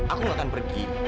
aku nggak akan pergi